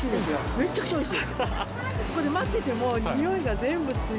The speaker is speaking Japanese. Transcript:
めちゃくちゃおいしい。